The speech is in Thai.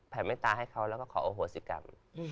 เมตตาให้เขาแล้วก็ขอโอโหสิกรรม